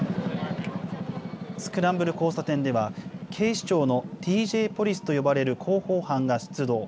スクランブル交差点では、警視庁のＤＪポリスと呼ばれる広報班が出動。